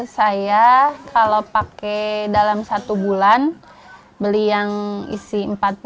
saya kalau pakai dalam satu bulan beli yang isi empat puluh